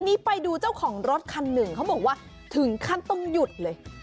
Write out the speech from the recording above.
นี่ไปดูเจ้าของรถคันหนึ่งเขาบอกว่าถึงขั้นต้องหยุดเลย